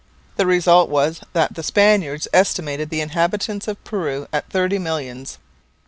The result was that the Spaniards estimated the inhabitants of Peru at thirty millions.